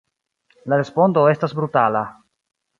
La respondo estas brutala.